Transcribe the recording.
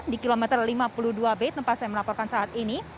di kilometer lima puluh dua b tempat saya melaporkan saat ini